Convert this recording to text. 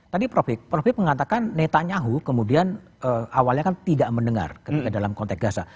tadi prof hip mengatakan netanyahu kemudian awalnya kan tidak mendengar ketika dalam konteks gaza